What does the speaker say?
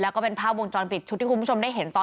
แล้วก็เป็นภาพวงจรปิดชุดที่คุณผู้ชมได้เห็นตอน